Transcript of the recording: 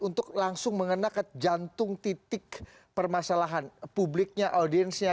untuk langsung mengena ke jantung titik permasalahan publiknya audiensnya